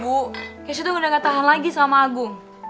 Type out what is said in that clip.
ibu keknya tuh udah gak tahan lagi sama gung